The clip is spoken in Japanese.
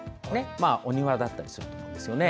お庭だったりすると思うんですね。